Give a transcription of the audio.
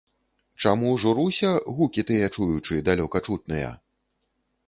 Чаму журуся, гукі тыя чуючы, далёка чутныя?